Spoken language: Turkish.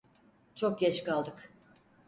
Çok geç kaldık!